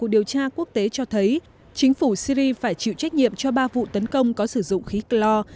điều tra quốc tế cho thấy chính phủ syri phải chịu trách nhiệm cho ba vụ tấn công có sử dụng khí clor